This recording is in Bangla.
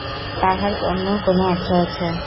তাহার অন্য কোনো অর্থ আছে।